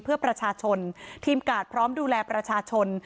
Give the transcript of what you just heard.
เพื่อประชาชนทีมกาดพร้อมดูแลประชาชน